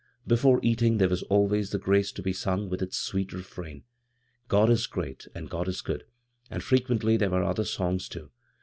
Before eating there was always the grace to be sung with its sweet refrain "God is great and God is good "; and frequendy there were other songs, too.